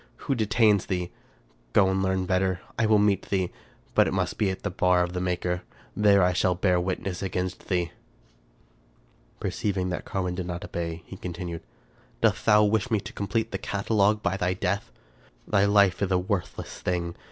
Who detains thee ? Go and learn better. I will meet thee, but it must be at the bar of thy Maker. There shall I bear witness against thee." Perceiving that Carwin did not obey, he continued, " Dost thou wish me to complete the catalogue by thy death? Thy life is a worthless thing.